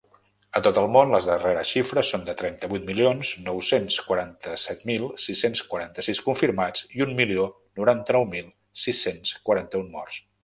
A tot el món, les darreres xifres són de trenta-vuit milions nou-cents quaranta-set mil sis-cents quaranta-sis confirmats i un milió noranta-nou mil sis-cents quaranta-un morts.